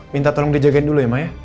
minta tolong dijagain dulu ya ma ya